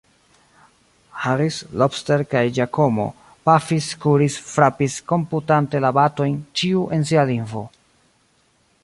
Harris, Lobster kaj Giacomo pafis, kuris, frapis, komputante la batojn, ĉiu en sia lingvo.